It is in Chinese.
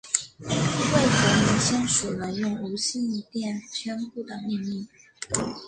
魏德林签署了用无线电宣布的命令。